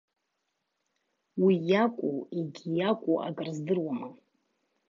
Уи иакәу егьи иакәу акры здыруама.